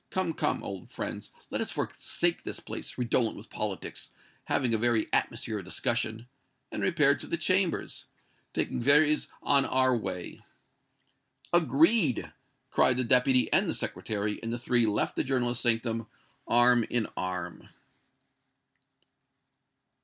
Come, come, old friends, let us forsake this place, redolent with politics, having a very atmosphere of discussion, and repair to the Chambers, taking Véry's on our way." "Agreed!" cried the Deputy and the Secretary, and the three left the journalist's sanctum arm in arm.